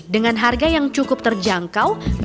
dengan harga yang cukup terjangkau